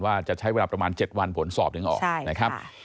ว่าจะใช้เวลาประมาณ๗วันผลสอบถึงออกนะครับ